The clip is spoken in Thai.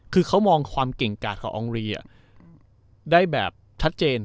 คือเขามองความเก่งกาดของอองรีได้แบบชัดเจน